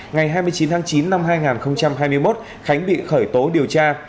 ngày hai mươi chín tháng chín năm hai nghìn hai mươi một khánh bị khởi tố điều tra